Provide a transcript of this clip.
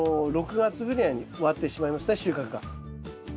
６月ぐらいに終わってしまいますね収穫が。